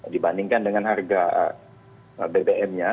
dibandingkan dengan harga bbm nya